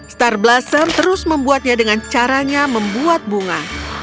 star blossom terus membuatnya dengan caranya membuat bunga